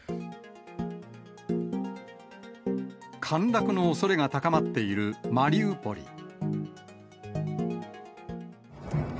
陥落のおそれが高まっているマリウポリ。